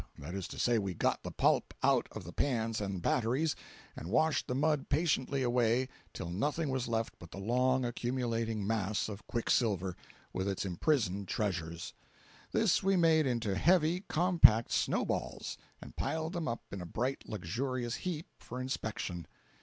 That is to say, we got the pulp out of the pans and batteries, and washed the mud patiently away till nothing was left but the long accumulating mass of quicksilver, with its imprisoned treasures. This we made into heavy, compact snow balls, and piled them up in a bright, luxurious heap for inspection.